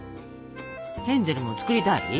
ヘンゼルも作りたい？